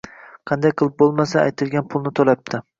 Qanday qilib bo'lmasin, aytilgan pulni to'labdi